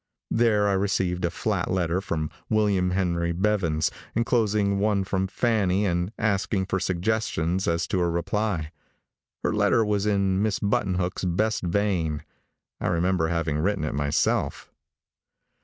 There I received a flat letter from 'William Henry Bevans, inclosing one from Fanny, and asking for suggestions as to a reply. Her letter was in Miss Buttonhook's best vein. I remember having written it myself.